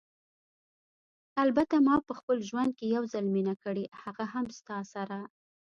البته ما په خپل ژوند کې یو ځل مینه کړې، هغه هم ستا سره.